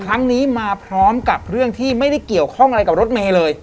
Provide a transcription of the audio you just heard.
ครั้งนี้มาพร้อมกับเรื่องที่ไม่ได้เกี่ยวข้องอะไรกับรถเมย์เลย